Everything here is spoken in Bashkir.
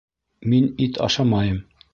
Мин ит ашамайым